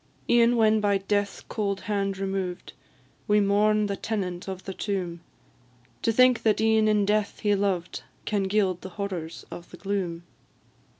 E'en when by death's cold hand removed, We mourn the tenant of the tomb, To think that e'en in death he loved, Can gild the horrors of the gloom.